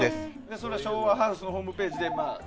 それは昭和ハウスのホームページで。